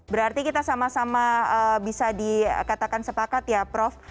berarti kita sama sama bisa dikatakan sepakat ya prof